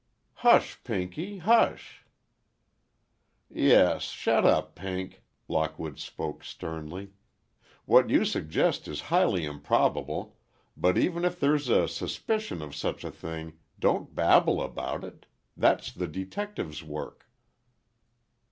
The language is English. "Hush, Pinky—hush!" "Yes, shut up, Pink," Lockwood spoke sternly. "What you suggest is highly improbable, but even if there's suspicion of such a thing, don't babble about it. That's the detective's work."